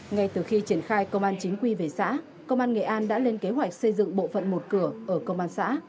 ngay từ khi triển khai công an chính quy về xã công an nghệ an đã lên kế hoạch xây dựng bộ phận một cửa ở công an xã